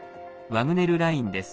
ワグネル・ラインです。